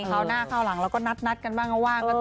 เข้าหน้าเข้าหลังเราก็นัดกันบ้างเอาว่าง